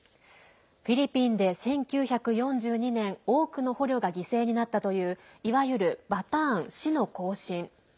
フィリピンで１９４２年多くの捕虜が犠牲になったといういわゆる、バターン死の行進。